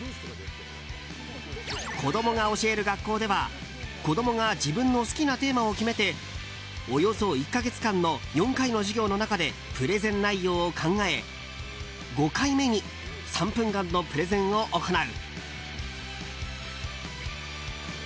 子どもが教える学校では、子供が自分の好きなテーマを決めておよそ１か月間の４回の授業の中でプレゼン内容を考え、５回目に３分間のプレゼンを行う。